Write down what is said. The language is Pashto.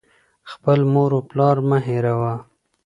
• خپل مور و پلار مه هېروه.